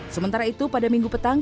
sementara itu pada minggu petang